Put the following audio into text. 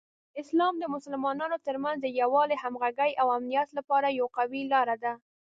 اسلام د مسلمانانو ترمنځ د یووالي، همغږۍ، او امنیت لپاره یوه قوي لاره ده.